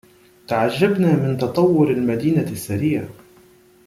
تعجبنا من تطور المدينة السريع.